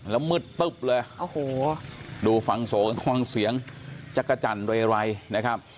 แล้วมืดตึ๊บเลยโอ้โหดูฟังโสฟังเสียงจักรจันทร์เรไรนะครับ